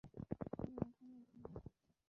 আমি এখনও এখানে আছি।